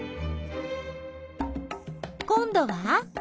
こんどは？